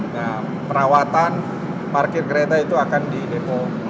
nah perawatan parkir kereta itu akan di depo